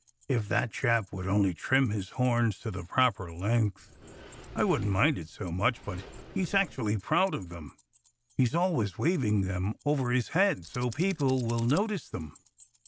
"If that chap would only trim his horns to the proper length I wouldn't mind it so much. But he's actually proud of them. He's always waving them over his head, so people will notice them."